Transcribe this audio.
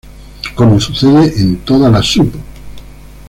Como sucede en toda la sub.